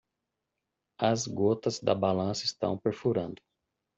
As gotas da balança estão perfurando.